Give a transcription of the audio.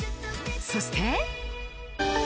そして。